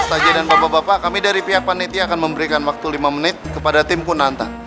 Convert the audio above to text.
saja dan bapak bapak kami dari pihak panitia akan memberikan waktu lima menit kepada tim kunanta